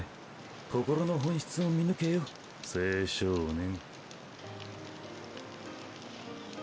心の本質を見抜けよ青少年。